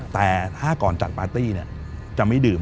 แต่ถ้าก่อนจัดปาร์ตี้จะไม่ดื่ม